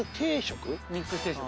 ミックス定食？